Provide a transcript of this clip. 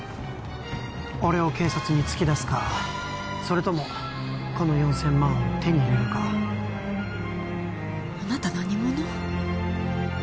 俺を警察に突き出すかそれともこの４０００万を手に入れるかあなた何者？